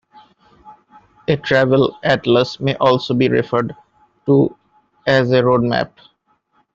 A travel atlas may also be referred to as a "road map".